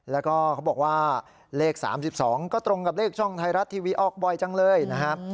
แล้วก็เขาบอกว่าเลข๓๒ก็ตรงกับเลขช่องไทยรัฐทีวีออกบ่อยจังเลยนะครับ